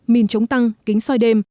minh chống tăng kính soi đêm